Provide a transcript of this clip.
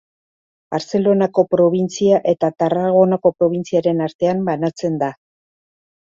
Bartzelonako probintzia eta Tarragonako probintziaren artean banatzen da.